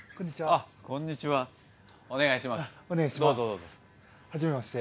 あっ始めまして。